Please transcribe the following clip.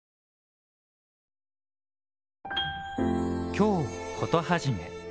「京コトはじめ」。